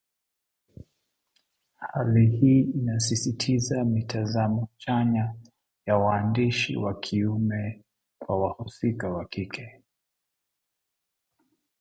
Hali hii inasisitiza mitazamo chanya ya waandishi wa kiume kwa wahusika wa kike